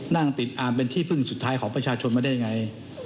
นั่งติดอามเป็นที่พึ่งสุดท้ายของประชาชนมาได้ยังไง